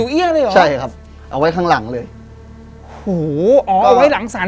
เอาไว้ตรงศาล